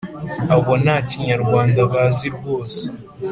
abo nta n’ikinyarwanda bazi rwose!